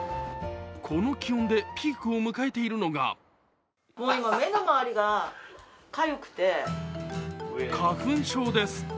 この気温でピークを迎えているのが花粉症です。